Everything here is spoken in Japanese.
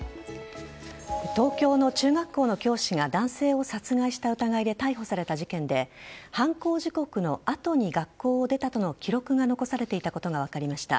東京の中学校の教師が男性を殺害した疑いで逮捕された事件で犯行時刻の後に学校を出たとの記録が残されていたことが分かりました。